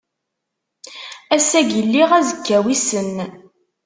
Ass-agi lliɣ azekka wissen.